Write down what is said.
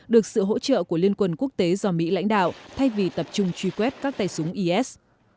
được sự hỗ trợ của liên quân quốc tế do mỹ lãnh đạo thay vì tập trung truy quét các tay súng is